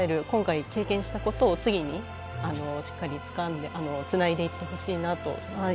今回、経験したことをしっかり次につないでいってほしいなと。